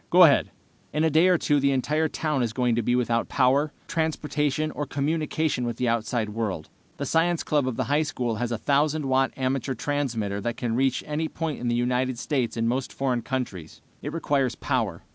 Go ahead." "In a day or two the entire town is going to be without power, transportation, or communication with the outside world. The science club of the high school has a 1000 watt amateur transmitter that can reach any point in the United States and most foreign countries. It requires power.